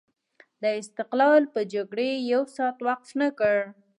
د استقلال په جګړې یو ساعت وقف نه کړ.